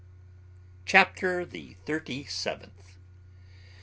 CHAPTER THE THIRTY SEVENTH.